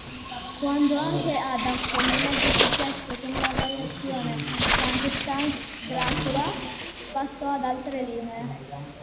Quando anche Adams non ebbe successo con la variazione Frankenstein-Dracula, passò ad altre linee.